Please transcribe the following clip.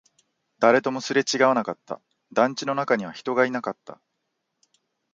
誰ともすれ違わなかった、団地の中には人がいなかった